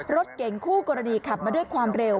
รถเก่งคู่กรณีขับมาด้วยความเร็ว